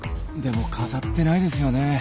でも飾ってないですよね？